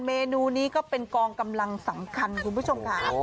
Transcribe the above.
เมนูนี้ก็เป็นกองกำลังสำคัญคุณผู้ชมค่ะ